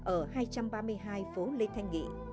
ở hai trăm ba mươi hai phố lê thanh nghị